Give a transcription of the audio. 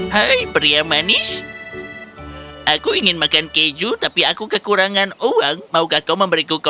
hai pria manis aku ingin makan keju tapi aku kekurangan uang maukah kau memberiku koin emas